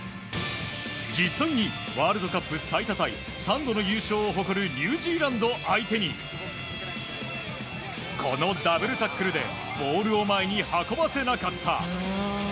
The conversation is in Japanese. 実際にワールドカップ最多タイ３度の優勝を誇るニュージーランド相手にこのダブルタックルでボールを前に運ばせなかった。